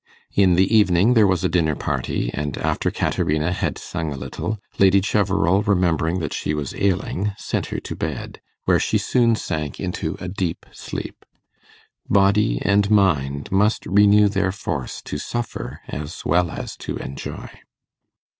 In the evening there was a dinner party, and after Caterina had sung a little, Lady Cheverel remembering that she was ailing, sent her to bed, where she soon sank into a deep sleep. Body and mind must renew their force to suffer as well as to enjoy.